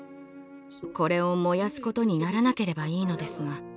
これを燃やすことにならなければいいのですが。